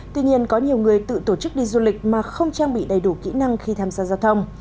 tuy nhiên có nhiều người tự tổ chức đi du lịch mà không trang bị đầy đủ kỹ năng khi tham gia giao thông